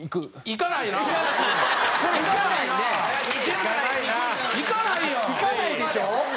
行かないでしょ？